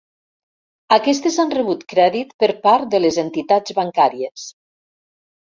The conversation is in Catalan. Aquestes han rebut crèdit per part de les entitats bancàries.